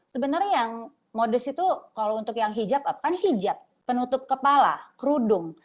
sebenarnya yang modus itu kalau untuk yang hijab kan hijab penutup kepala kerudung